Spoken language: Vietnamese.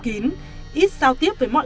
kín ít giao tiếp với mọi